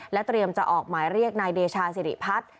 เตรียมจะออกหมายเรียกนายเดชาสิริพัฒน์